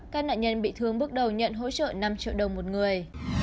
các nạn nhân bị thương bước đầu nhận hỗ trợ năm triệu đồng một người